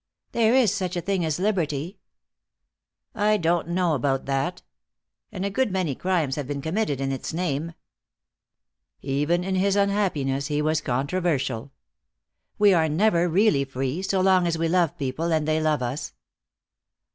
"There is such a thing as liberty." "I don't know about that. And a good many crimes have been committed in its name." Even in his unhappiness he was controversial. "We are never really free, so long as we love people, and they love us.